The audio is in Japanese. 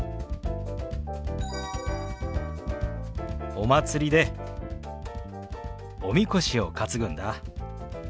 お祭りでおみこしを担ぐんだ。